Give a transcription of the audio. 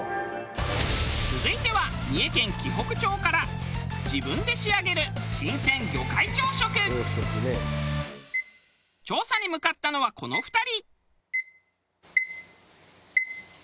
続いては三重県紀北町から調査に向かったのはこの２人。